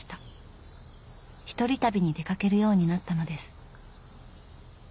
一人旅に出かけるようになったのです。